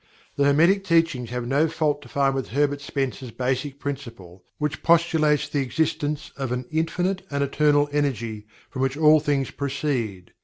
The Hermetic Teachings have no fault to find with Herbert Spencer's basic principle which postulates the existence of an "Infinite and Eternal Energy, from which all things proceed."